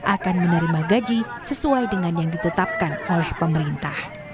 akan menerima gaji sesuai dengan yang ditetapkan oleh pemerintah